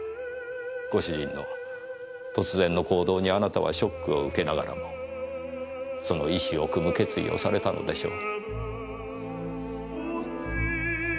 ご主人の突然の行動にあなたはショックを受けながらもその遺志をくむ決意をされたのでしょう。